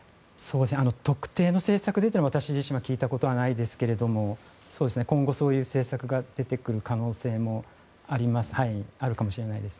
特定の政策でというのは私自身は聞いたことがないですが今後、そういう政策が出てくる可能性もあるかもしれないです。